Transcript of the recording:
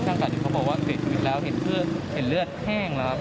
ช่างก็อาจจะบอกว่าเสียชีวิตแล้วเห็นเลือดแห้งแล้วครับ